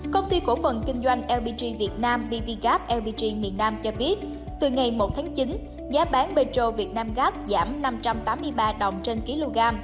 công ty khổ phần kinh doanh lpg việt nam cho biết từ ngày một tháng chín giá bán petro việt nam gas giảm năm trăm tám mươi ba đồng trên kg